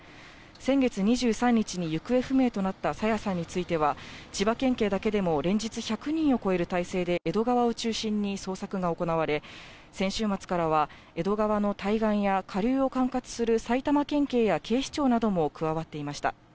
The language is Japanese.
先月２３日に行方不明となった朝芽さんについては、千葉県警だけでも連日、１００人を超える体制で江戸川を中心に捜索が行われ、先週末からは江戸川の対岸や下流を管轄する埼玉県警や警視庁なども加わっていました。